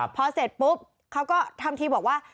พอเสร็จปุ๊บเขาก็ทำทีบอกว่า